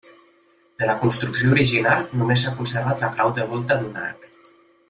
De la construcció original només s'ha conservat la clau de volta d'un arc.